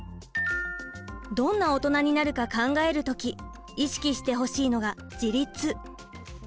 どんなオトナになるか考える時意識してほしいのが自立。